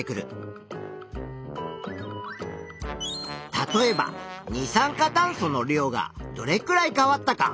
例えば二酸化炭素の量がどれくらい変わったか。